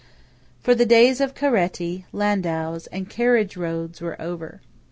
For the days of caretti, landaus, and carriage roads were over.